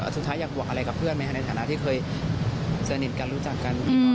อยากบอกอะไรกับเพื่อนไหมคะในฐานะที่เคยสนิทกันรู้จักกัน